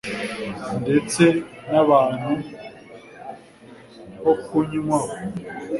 ndetse n’ahantu ho kunywa aho